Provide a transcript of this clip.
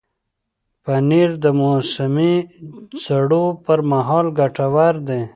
پنېر د موسمي سړو پر مهال ګټور دی.